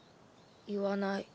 言わない。